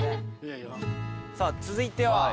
さあ続いては？